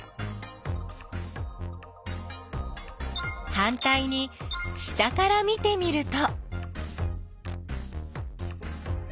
はんたいに下から見てみると。